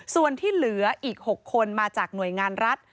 ส่วนที่เหลืออีก๖คนมาจากหน่วยงานรัฐ